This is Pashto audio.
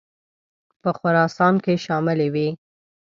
په خراسان کې شاملي وې.